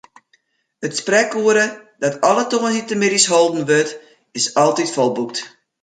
It sprekoere, dat alle tongersdeitemiddeis holden wurdt, is altyd folboekt.